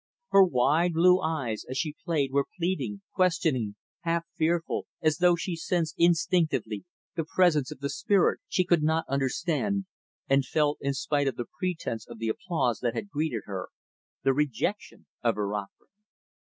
Her wide, blue eyes, as she played, were pleading, questioning, half fearful as though she sensed, instinctively the presence of the spirit she could not understand; and felt, in spite of the pretense of the applause that had greeted her, the rejection of her offering.